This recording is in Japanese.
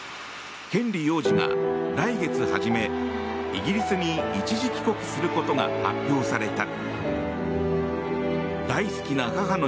ヘンリー王子が来月初めイギリスに一時帰国することが発表された。